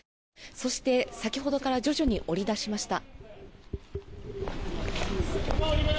そして、先ほどから徐々に下り出しました。